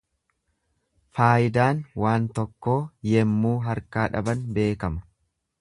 Faayidaan waan tokkoo yemmuu harkaa dhaban beekama.